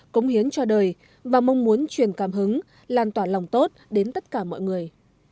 cống hiến cho đời và mong muốn truyền cảm hứng lan tỏa lòng tốt đến tất cả mọi người